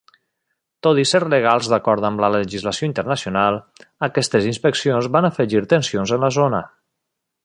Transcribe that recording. Tot i ser legals d'acord amb la legislació internacional, aquestes inspeccions van afegir tensions en la zona.